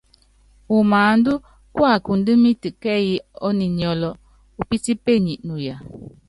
Umáándá kuakundímítɛ kɛ́ɛ́yí ɔ́ninyɔ́lɔ upítípenyi nuya.